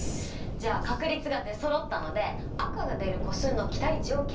じゃあ確率が出そろったので赤が出る個数の期待値を計算しましょう。